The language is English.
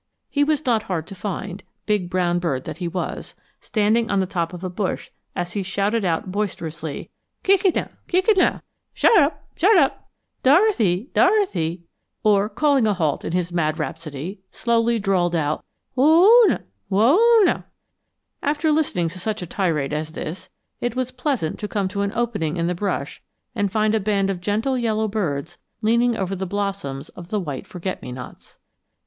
He was not hard to find, big brown bird that he was, standing on the top of a bush as he shouted out boisterously, kick' it now, kick' it now, shut' up shut' up, dor' a thy dor' a thy; or, calling a halt in his mad rhapsody, slowly drawled out, whoa' now, whoa' now. After listening to such a tirade as this, it was pleasant to come to an opening in the brush and find a band of gentle yellow birds leaning over the blossoms of the white forget me nots.